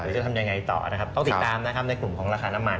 ต้องติดตามในกลุ่มของราคาน้ำมัน